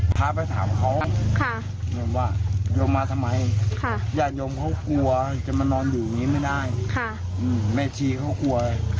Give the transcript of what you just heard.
ส่วนตัวนายสมศักดิ์นะครับชายเร่อร่อนคนนั้นก็มีบาทแพ้เหมือนกัน